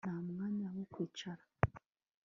Nta mwanya wo kwicara